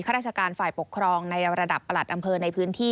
ราชการฝ่ายปกครองในระดับประหลัดอำเภอในพื้นที่